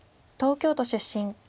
東京都出身。